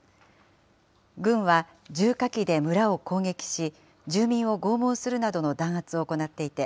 軍は重火器で村を攻撃し、住民を拷問するなどの弾圧を行っていて、